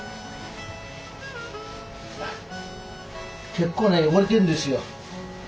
結構ね汚れてるんですよ。